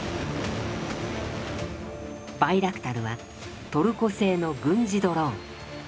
バイラクタルはトルコ製の軍事ドローン。